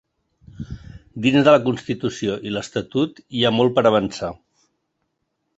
Dins de la constitució i l’estatut hi ha molt per avançar.